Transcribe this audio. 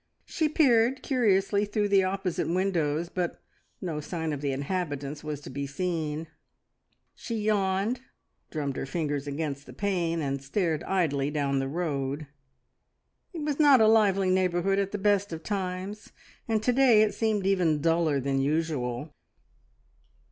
She peered curiously through the opposite windows, but no sign of the inhabitants was to be seen; she yawned, drummed her fingers against the pane, and stared idly down the road. It was not a lively neighbourhood at the best of times, and to day it seemed even duller than usual.